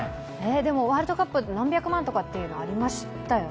でも、ワールドカップ、何百万とかありましたよね？